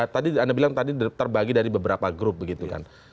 tadi anda bilang tadi terbagi dari beberapa grup begitu kan